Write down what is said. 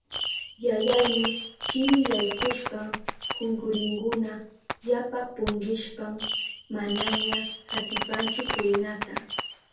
Yayayni chiri yaykushpan kunkurinkuna yapa punkishpan manaña atipanchu purinata.